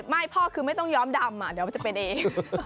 ไม่พ่อคือไม่ต้องย้อมดำเดี๋ยวมันจะเป็นเอง